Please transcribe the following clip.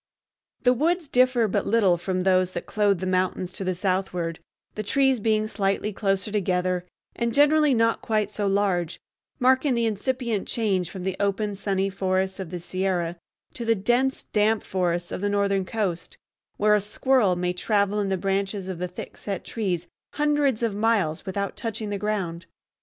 The woods differ but little from those that clothe the mountains to the southward, the trees being slightly closer together and generally not quite so large, marking the incipient change from the open sunny forests of the Sierra to the dense damp forests of the northern coast, where a squirrel may travel in the branches of the thick set trees hundreds of miles without touching the ground.